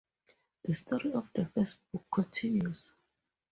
The story of the first book continues.